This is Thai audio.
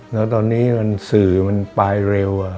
แล้วตอนนี้สื่อมันปลายเร็ว